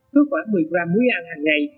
có khoảng một mươi gram muối ăn hằng ngày